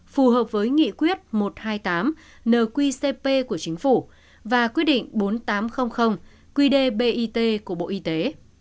phù hợp với nghị quyết một trăm hai mươi tám nqcp của chính phủ và quyết định bốn nghìn tám trăm linh qdbit của bộ y tế